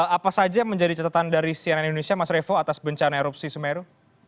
apa saja menjadi catatan dari cnn indonesia mas revo atas bencana erupsi sumeru